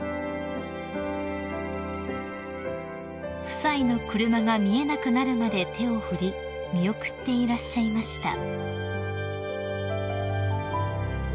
［夫妻の車が見えなくなるまで手を振り見送っていらっしゃいました］